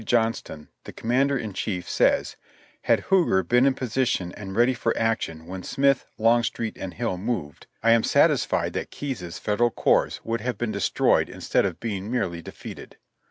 Johnston, the commander in chief, says: "Had Huger been in position and ready for action when Smith, Longstreet and Hill moved, I am satisfied that 142 JOHNNY REB AND BILLY YANK Keyes's Federal corps would have been destroyed instead of being merely defeated."